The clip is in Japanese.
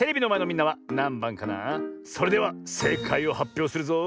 それではせいかいをはっぴょうするぞ。